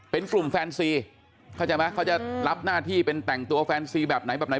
เป็นกลุ่มแฟนซีเข้าใจไหมเขาจะรับหน้าที่เป็นแต่งตัวแฟนซีแบบไหนแบบไหน